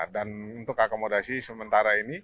untuk akomodasi sementara ini